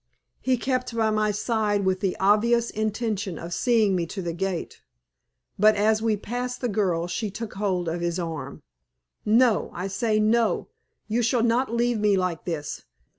He kept by my side with the obvious intention of seeing me to the gate; but as we passed the girl she took hold of his arm. "No! I say no! You shall not leave me like this!